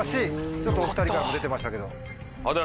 ちょっとお２人からも出てましたけど。